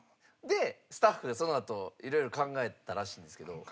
でスタッフがそのあと色々考えたらしいんですけど。